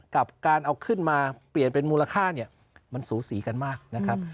กับการเอาขึ้นมาเปลี่ยนเป็นมูลค่าเนี่ยมันสูสีกันมากนะครับ